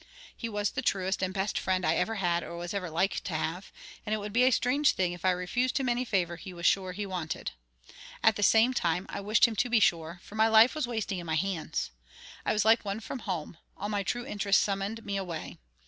He was the truest and best friend I ever had or was ever like to have; and it would be a strange thing if I refused him any favour he was sure he wanted. At the same time I wished him to be sure; for my life was wasting in my hands. I was like one from home; all my true interests summoned me away.